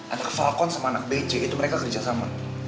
anak falcon sama anak bc itu mereka kerja sama